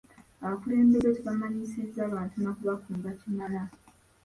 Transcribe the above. Abakulembeze tebamanyisizza bantu na ku bakunga kimala.